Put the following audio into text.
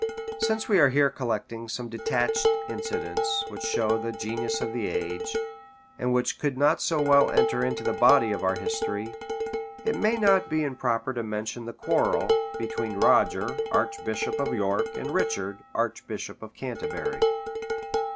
] Since we are here collecting some detached incidents, which show the genius of the age, and which could not so well enter into the body of our history, it may not be improper to mention the quarrel between Roger, archbishop of York, and Richard, archbishop of Canterbury.